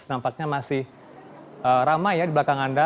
nampaknya masih ramai ya di belakang anda